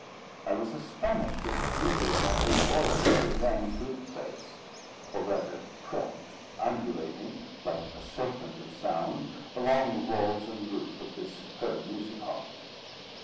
I was astonished at the beauty of my own voice as it rang through the place, or rather crept undulating, like a serpent of sound, along the walls and roof of this superb music hall.